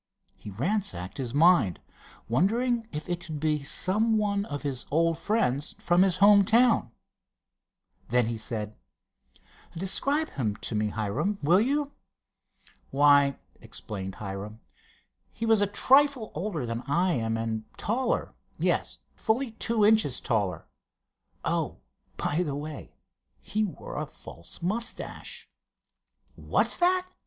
He ransacked his mind, wondering if it could be some one of his old friends from his home town. Then he said: "Describe him to me, Hiram, will you?" "Why," explained Hiram, "he was a trifle older than I am, and taller; yes, fully two inches taller. Oh, by the way, he wore a false mustache." "What's that?"